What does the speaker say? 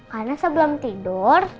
karena sebelum tidur